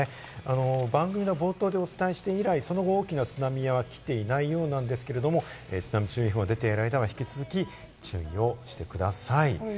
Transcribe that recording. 番組の冒頭でお伝えして以来、その後大きな津波は来ていないようなんですけれど、津波注意報が出ている間は引き続き注意をしてください。